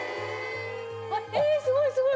えすごいすごい！